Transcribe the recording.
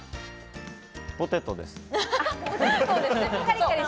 ポテトです。